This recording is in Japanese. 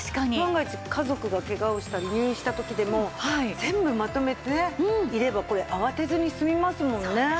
万が一家族がケガをしたり入院した時でも全部まとめていればこれ慌てずに済みますもんね。